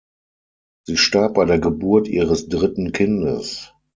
Sie starb bei der Geburt ihres dritten Kindes.